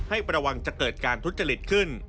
ระวังจะเกิดการทุจริตขึ้น